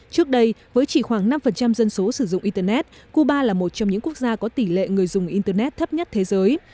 trước đây với chỉ khoảng năm dân số sử dụng internet cuba là một trong những quốc gia có tỷ lệ người dùng internet thấp nhất thế giới